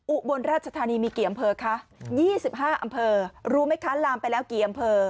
อุบลราชธานีมีกี่อำเภอคะ๒๕อำเภอรู้ไหมคะลามไปแล้วกี่อำเภอ